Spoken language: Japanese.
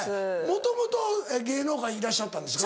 もともと芸能界にいらっしゃったんですか？